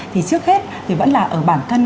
thì trước hết thì vẫn là ở bản thân